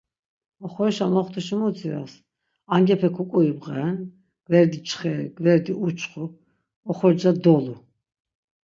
Oxorişa moxtuşi mu dziras, angepe kuk̆uibğeren, gverdi çxeri, gverdi uçxu, oxorca dolu.